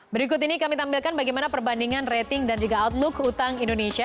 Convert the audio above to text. berikut ini kami tampilkan bagaimana perbandingan rating dan juga outlook utang indonesia